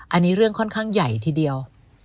อันนี้เรื่องค่อนข้างใหญ่ทีเดียว